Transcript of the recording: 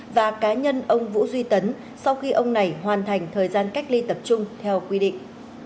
và cá nhân ông vũ duy tấn sau khi ông này hoàn thành thời gian cách ly tập trung theo quy định